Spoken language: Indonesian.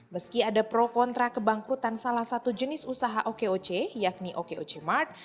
meski ada pro kontra kebangkrutan salah satu jenis usaha okoc yakni okoc mart